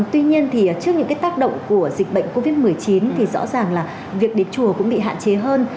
tuy nhiên thì trước những cái tác động của dịch bệnh covid một mươi chín thì rõ ràng là việc đến chùa cũng bị hạn chế hơn